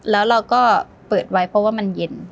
แล้วเราก็เปิดไว้เพราะว่ามันเย็น